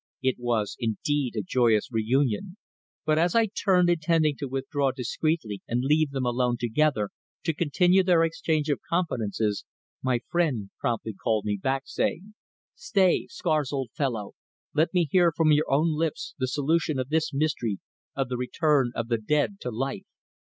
It was indeed a joyous reunion, but as I turned intending to withdraw discreetly and leave them alone together to continue their exchange of confidences, my friend promptly called me back, saying: "Stay, Scars, old fellow! Let me hear from your own lips the solution of this mystery of the return of the dead to life.